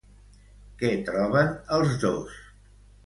Què troben els dos?